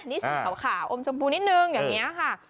เสียงขาวภาวอมชมพูนิดนึงอย่างนี้ค่ะ